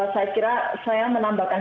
saya kira saya menambahkan